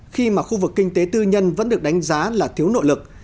khi mà khu vực kinh tế tư nhân vẫn được đánh giá là thiếu nội lực